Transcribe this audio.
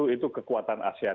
itu kekuatan asean